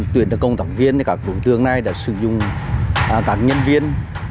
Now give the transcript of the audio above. tuyển được công tập viên thì các đối tượng này đã sử dụng các nhân viên